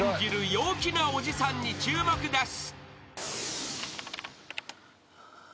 陽気なおじさんに注目です］